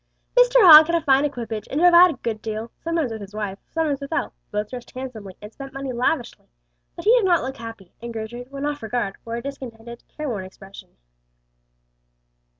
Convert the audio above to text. Mr. Hogg had a fine equipage, and drove out a great deal, sometimes with his wife, sometimes without; both dressed handsomely and spent money lavishly; but he did not look happy, and Gertrude, when off her guard, wore a discontented, care worn expression.